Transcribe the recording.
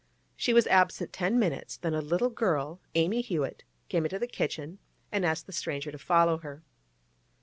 She was absent ten minutes, then a little girl—Amy Hewett—came into the kitchen and asked the stranger to follow her.